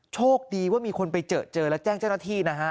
โชคดีว่ามีคนไปเจอเจอและแจ้งเจ้าหน้าที่นะฮะ